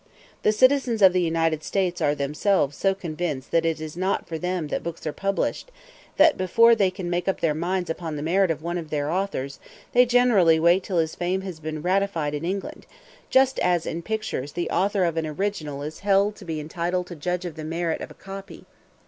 The citizens of the United States are themselves so convinced that it is not for them that books are published, that before they can make up their minds upon the merit of one of their authors, they generally wait till his fame has been ratified in England, just as in pictures the author of an original is held to be entitled to judge of the merit of a copy.